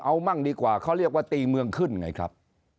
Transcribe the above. เอามั่งดีกว่าเขาเรียกว่าตีเมืองขึ้นไงครับ